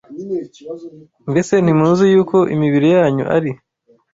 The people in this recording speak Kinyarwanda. Mbese ntimuzi yuko imibiri yanyu ari